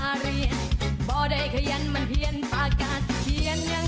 เราเริ่มมีกระแสมาจากทาง